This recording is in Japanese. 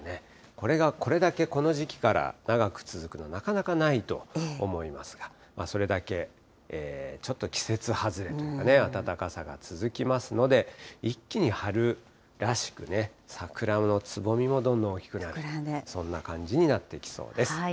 これがこれだけこの時期から長く続くのは、なかなかないと思いますが、それだけちょっと季節外れの暖かさが続きますので、一気に春らしく、桜のつぼみもどんどん大きくなると、そんな感じになってきそうです。